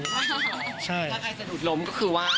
ถ้าใครสะดุดล้มก็คือว่า